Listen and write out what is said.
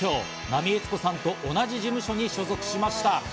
奈美悦子さんと同じ事務所に所属しました。